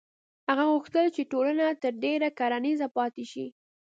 هغه غوښتل چې ټولنه تر ډېره کرنیزه پاتې شي.